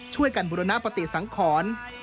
ช่วยกันบุรณปฏิสังขร